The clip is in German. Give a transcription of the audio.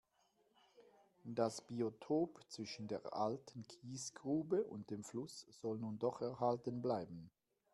Das Biotop zwischen der alten Kiesgrube und dem Fluss soll nun doch erhalten bleiben.